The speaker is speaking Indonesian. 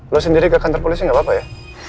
lo sendiri ke kantor polisi nggak apa apa ya